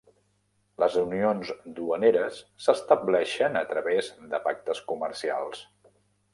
Les unions duaneres s'estableixen a través de pactes comercials.